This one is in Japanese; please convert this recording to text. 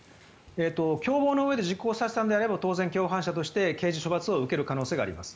共謀のうえで実行させたのであれば共犯者として刑事処罰される恐れがあります。